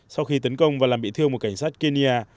sau khi tấn công và làm bị thương một cảnh sát kenya